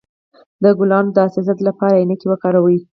د ګلانو د حساسیت لپاره عینکې وکاروئ